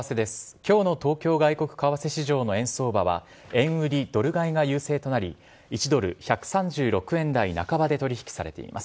きょうの東京外国為替市場の円相場は、円売りドル買いが優勢となり、１ドル１３６円台半ばで取引されています。